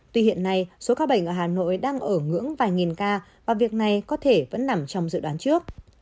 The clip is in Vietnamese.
tuy hiện nay số ca bệnh ở hà nội đang ở ngưỡng vài nghìn ca và việc này có thể vẫn nằm trong dự đoán trước